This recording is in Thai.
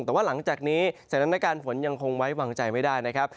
แต่ว่าหลังจากนี้สถานการณ์ฝนยังคงไว้วางใจไม่ได้นะครับ